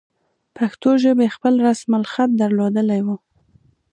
پښتو ژبې خپل رسم الخط درلودلی وو.